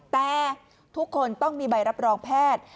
แต่ทุกคนต้องมีใบรับรองแพทย์